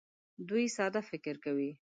دوی ساده فکر کوي.